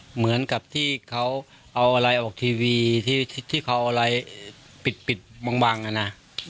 เหมือนกับที่เขาเอาอะไรออกทีวีที่เขาอะไรปิดบังอ่ะนะ